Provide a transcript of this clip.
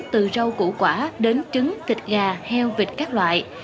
từ rau củ quả đến trứng vịt gà heo vịt các loại